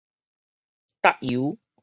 搭油